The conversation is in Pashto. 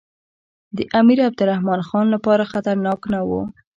د امیر عبدالرحمن خان لپاره خطرناک نه وو.